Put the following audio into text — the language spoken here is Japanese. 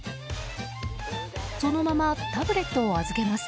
そのままタブレットを預けます。